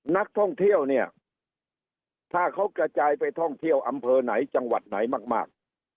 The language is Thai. นักท่องเที่ยวเนี่ยถ้าเขากระจายไปท่องเที่ยวอำเภอไหนจังหวัดไหนมาก